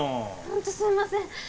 本当すいません。